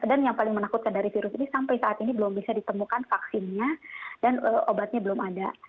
dan yang paling menakutkan dari virus ini sampai saat ini belum bisa ditemukan vaksinnya dan obatnya belum ada